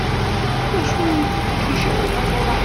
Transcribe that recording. D acu i k-iceɣben?